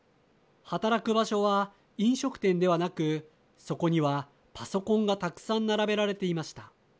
働く場所は飲食店ではなくそこには、パソコンがたくさん並べられていました。